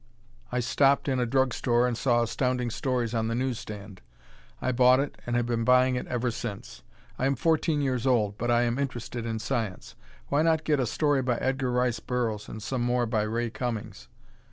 I stopped in a drug store and saw Astounding Stories on the newsstand. I bought it and have been buying it ever since. I am fourteen years old, but I am interested in science. Why not get a story by Edgar Rice Burroughs, and some more by Ray Cummings?